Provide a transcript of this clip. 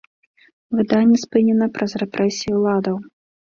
Выданне спынена праз рэпрэсіі ўладаў.